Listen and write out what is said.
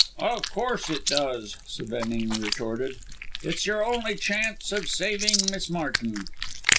"Of course it does!" Sevenning retorted. "It's your only chance of saving Miss Martin."